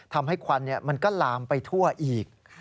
ทำให้ควันเนี่ยมันก็ลามไปทั่วอีก